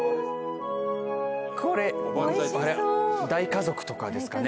これ大家族とかですかね？